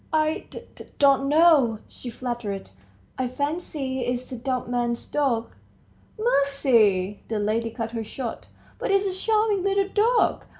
"I d ... d ... don't know," she faltered; "I fancy it's the dumb man's dog." "Mercy!" the lady cut her short; "but it's a charming little dog!